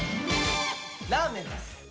「ラーメン」です。